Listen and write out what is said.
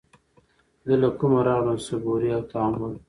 زه له كومه راوړم صبوري او تحمل